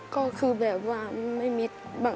ก็คือแบบว่าไม่มีแบบ